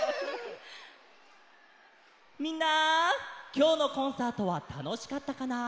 きょうのコンサートはたのしかったかな？